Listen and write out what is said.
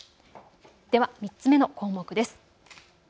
では３つ目の項目です。